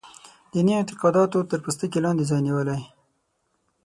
دیني اعتقاداتو تر پوستکي لاندې ځای نیولی.